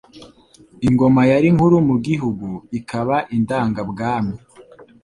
Ingoma yari nkuru mu gihugu, ikaba indangabwami,